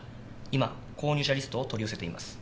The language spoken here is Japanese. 今購入者リストを取り寄せています。